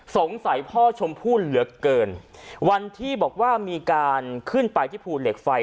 พ่อชมพู่เหลือเกินวันที่บอกว่ามีการขึ้นไปที่ภูเหล็กไฟ